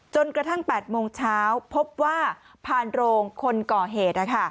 จนกระทั่ง๘โมงเช้าพบว่าผ่านโรงคนก่อเหตุ